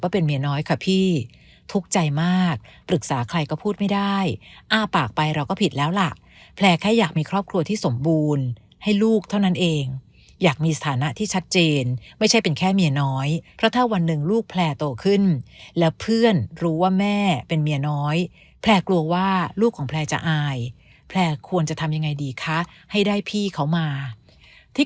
เป็นเมียน้อยค่ะพี่ทุกข์ใจมากปรึกษาใครก็พูดไม่ได้อ้าปากไปเราก็ผิดแล้วล่ะแพลร์แค่อยากมีครอบครัวที่สมบูรณ์ให้ลูกเท่านั้นเองอยากมีสถานะที่ชัดเจนไม่ใช่เป็นแค่เมียน้อยเพราะถ้าวันหนึ่งลูกแพลร์โตขึ้นแล้วเพื่อนรู้ว่าแม่เป็นเมียน้อยแพลร์กลัวว่าลูกของแพลร์จะอายแพลร์ควรจะทำยังไงดีคะให้ได้พี่เขามาที่